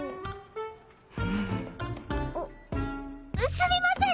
すみません！